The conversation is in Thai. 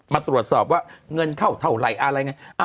มาตรวจสอบว่าเงินเข้าเท่าไหร่อะไรไง